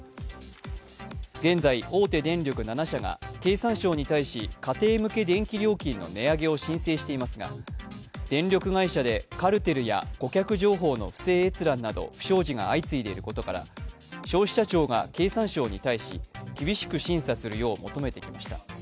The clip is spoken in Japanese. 現在、大手電力７社が経産省に対し、家庭向け電気料金の値上げを申請していますが、電力会社でカルテルや顧客情報の不正閲覧など不祥事が相次いでいることから消費者庁が経産省に対し、厳しく審査するよう求めてきました。